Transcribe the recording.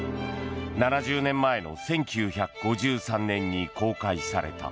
７０年前の１９５３年に公開された。